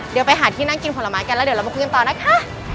เดี๋ยวไปหาที่นั่งกินผลไม้กันแล้วเดี๋ยวเรามาคุยกันต่อนะคะ